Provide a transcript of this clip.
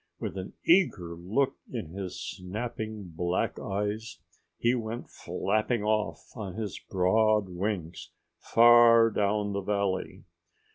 With an eager look in his snapping black eyes he went flapping off on his broad wings, far down the valley.